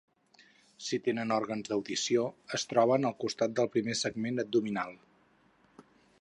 Si tenen òrgans d'audició, es troben als costats del primer segment abdominal.